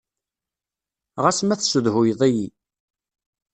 Ɣas ma tessedhuyeḍ-iyi.